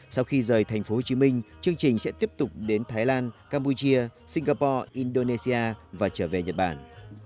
sau khi rời tp hcm chương trình sẽ tiếp tục đến thái lan campuchia singapore indonesia và trở về nhật bản